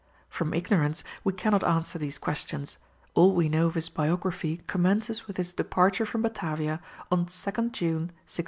From ignorance we cannot answer these questions, all we know of his biography commences with his departure from Batavia on 2nd June, 1639.